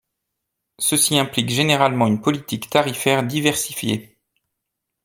Ceci implique généralement une politique tarifaire diversifiée.